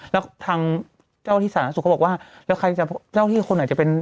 แล้วทางเจ้าที่สาธารณสุทธิ์เขาบอกว่าแล้วเจ้าที่คุณหน่อยจะเป็น